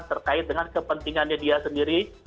terkait dengan kepentingannya dia sendiri